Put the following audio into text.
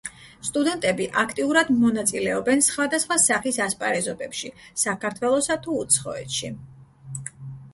სტუდენტები აქტიურად მონაწილეობენ სხვადასხვა სახის ასპარეზობებში საქართველოსა თუ უცხოეთში.